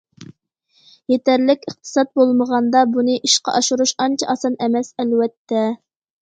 يېتەرلىك ئىقتىساد بولمىغاندا بۇنى ئىشقا ئاشۇرۇش ئانچە ئاسان ئەمەس ئەلۋەتتە.